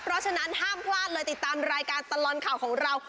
เพราะฉะนั้นห้ามพลาดเลยติดตามรายการตลอดข่าวของเรา